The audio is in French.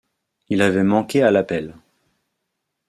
Il avait manqué à l’appel.